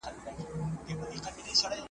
پکښی شخول به وو همېش د بلبلانو.